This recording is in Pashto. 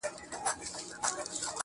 دا چي زه څه وايم، ته نه پوهېږې، څه وکمه~